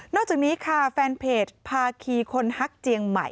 อกจากนี้ค่ะแฟนเพจภาคีคนฮักเจียงใหม่